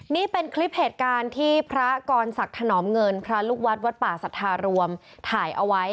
นี่เป็นคลิปเหตุการณ์ที่พระกรศักดิ์ถนอมเงินพระลูกวัดวัดป่าสัทธารวมถ่ายเอาไว้